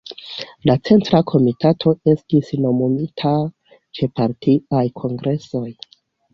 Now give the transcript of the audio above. La Centra Komitato estis nomumita ĉe partiaj kongresoj.